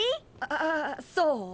ああそう？